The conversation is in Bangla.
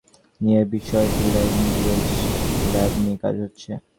বাংলাদেশের কর্মকর্তারা জানিয়েছেন, বিষয়টি বিবেচনায় নিয়ে বিপসটে ল্যাংগুয়েজ ল্যাব নিয়ে কাজ হচ্ছে।